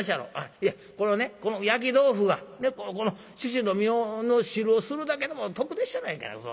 いやこの焼き豆腐がこの猪の身の汁を吸うだけでも得でっしゃないか。